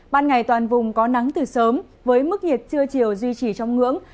ban ngày toàn vùng có nắng từ sớm với mức nhiệt trưa chiều duy trì trong ngưỡng